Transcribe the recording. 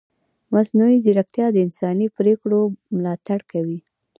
مصنوعي ځیرکتیا د انساني پرېکړو ملاتړ کوي.